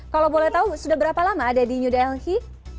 kalau boleh tahu sudah berapa lama ada di new delhi